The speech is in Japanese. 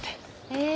へえ。